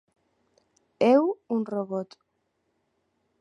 Eu un robot.